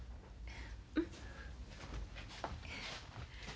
うん。